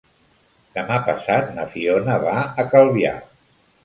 Demà passat na Fiona va a Calvià.